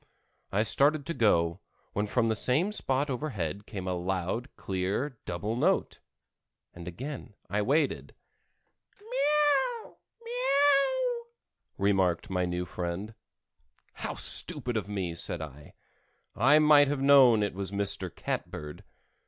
I started to go, when from the same spot overhead came a loud, clear double note, and again I waited. "Meow! meow!" remarked my new friend. "How stupid of me!" said I. "I might have known it was Mr. Catbird."